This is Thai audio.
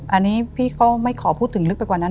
อันนี้พี่ก็ไม่ขอพูดถึงลึกไปกว่านั้น